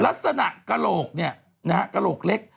ลักษณะกระโหลกเนี่ยนะฮะกระโหลกเล็ก